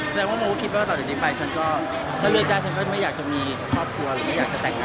แสดงว่าโมคิดว่าต่อเดียวไปฉันก็ไม่อยากจะมีครอบครัวไม่อยากจะแต่งงาน